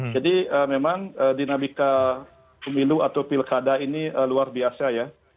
jadi memang dinamika pemilu atau pilkada ini luar biasa ya